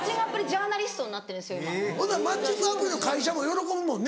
ほなマッチングアプリの会社も喜ぶもんね。